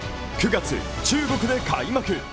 ９月、中国で開幕。